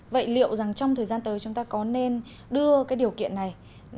vậy liệu rằng trong thời gian tới chúng ta có nên đưa cái điều kiện này